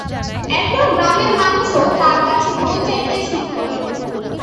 এরপর গ্রামের মানুষও তার কাছে বই চাইতে শুরু করে।